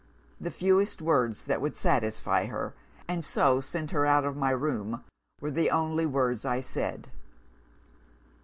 The fewest words that would satisfy her, and so send her out of my room, were the only words I said.